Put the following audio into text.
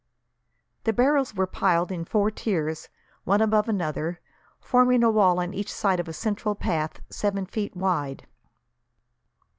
The barrels were piled in four tiers, one above another, forming a wall on each side of a central path, seven feet wide.